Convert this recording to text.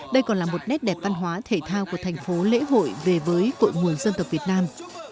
đây còn là một nét đẹp văn hóa thể thao của thành phố lễ hội về với cội nguồn dân tộc việt nam